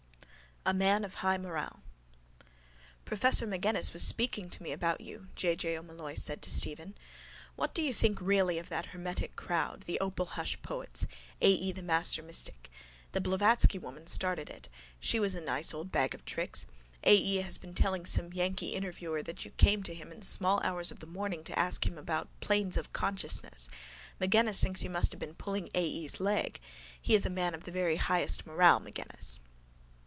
A MAN OF HIGH MORALE —Professor Magennis was speaking to me about you, J. J. O'Molloy said to Stephen. What do you think really of that hermetic crowd, the opal hush poets: A. E. the mastermystic? That Blavatsky woman started it. She was a nice old bag of tricks. A. E. has been telling some yankee interviewer that you came to him in the small hours of the morning to ask him about planes of consciousness. Magennis thinks you must have been pulling A. E.'s leg. He is a man of the very highest morale, Magennis.